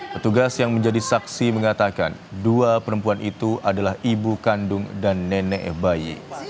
petugas yang menjadi saksi mengatakan dua perempuan itu adalah ibu kandung dan nenek bayi